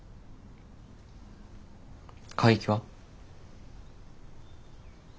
海域は？